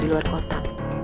di luar kota